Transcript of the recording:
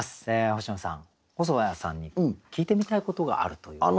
星野さん細谷さんに聞いてみたいことがあるということで。